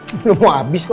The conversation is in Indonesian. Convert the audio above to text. belum mau habis kok